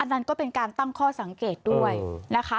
นั่นก็เป็นการตั้งข้อสังเกตด้วยนะคะ